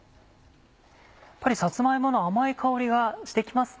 さつま芋の甘い香りがして来ますね。